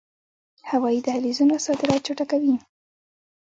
هوایی دهلیزونه صادرات چټکوي